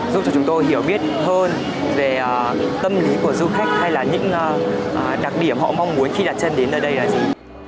giúp cho chúng tôi hiểu biết hơn về tâm lý của du khách hay là những đặc điểm họ mong muốn khi đặt chân đến nơi đây là gì